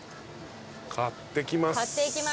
買っていきます。